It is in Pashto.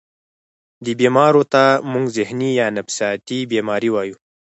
دې بيمارو ته مونږ ذهني يا نفسياتي بيمارۍ وايو